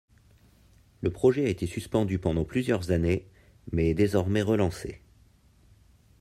Le projet a été suspendu pendant plusieurs années mais est désormais relancé.